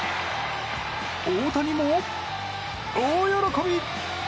大谷も大喜び！